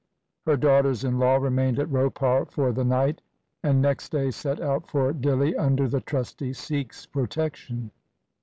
Her daughters in law remained at Ropar for the night, and next day set out for Dihli under the trusty Sikh's pro tection.